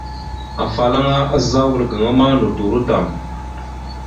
Afalaŋa azza wal gaŋa ma nodoró tam.